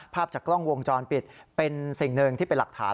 ภาพจากกล้องวงจรปิดเป็นสิ่งหนึ่งที่เป็นหลักฐาน